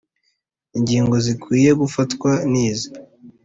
ingingo zikwiye gufatwa nizi